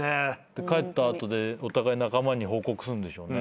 で帰った後でお互い仲間に報告すんでしょうね。